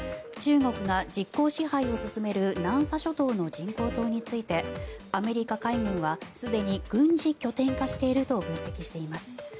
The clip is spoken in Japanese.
中国が実効支配を進める南沙諸島の人工島についてアメリカ海軍はすでに軍事拠点化していると分析しています。